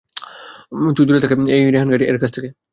তুই দূরে থাক এই রেহান গাইড এর কাছ থেকে।